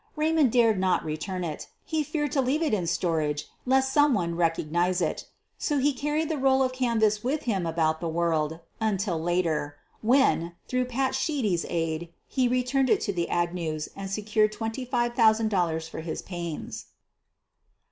' Eaymond dared not return it — he feared 'to leave it in storage lest some one recognize it. So he carried the roll of canvas with him about the world until later, when, through "Pat" Sheedy 's aid, he returned it to the Agnews and secured $25, 000 for his pains.